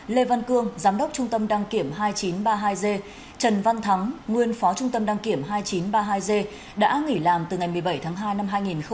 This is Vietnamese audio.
lê văn cương giám đốc trung tâm đăng kiểm hai nghìn chín trăm ba mươi hai g trần văn thắng nguyên phó trung tâm đăng kiểm hai nghìn chín trăm ba mươi hai g đã nghỉ làm từ ngày một mươi bảy tháng hai năm hai nghìn hai mươi